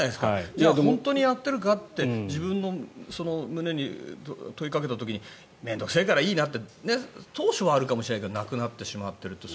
でも、本当にやってるかといったら自分の胸に問いかけた時に面倒臭いからいいなって当初はあるかもしれないけどなくなってしまっているという。